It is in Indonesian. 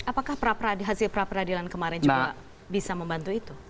apakah hasil pra peradilan kemarin juga bisa membantu itu